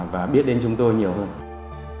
và biết đến những gì chúng ta đang làm